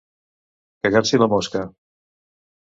Cagar-s'hi la mosca.